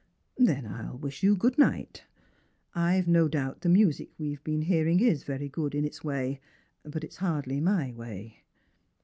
" Then I'll wish you good night. I've no doubt the music we've been hearing is very good in its way, but it's hardly my way.